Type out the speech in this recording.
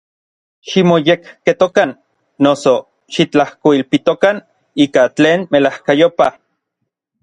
Ximoyekketokan, noso, xitlajkoilpitokan ika tlen melajkayopaj.